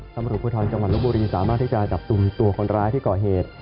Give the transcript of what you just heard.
ตำรวจภูทรจังหวัดลบบุรีสามารถที่จะจับกลุ่มตัวคนร้ายที่ก่อเหตุ